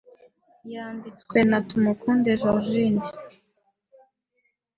Yanditswe na Tumukunde Georgine